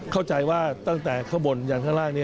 เข้าใจว่าตั้งแต่ข้างบนยันข้างล่างนี้